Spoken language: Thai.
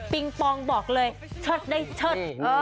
ปิงปองบอกเลยชดได้ชด